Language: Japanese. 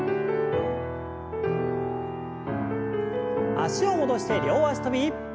脚を戻して両脚跳び。